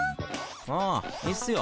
あいいっすよ。